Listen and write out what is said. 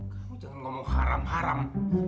kamu jangan ngomong haram haram